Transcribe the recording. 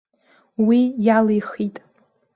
Уи иалихит.